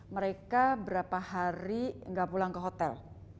mereka berapa hari nggak pulang ke hotel